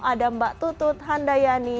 ada mbak tutut handayani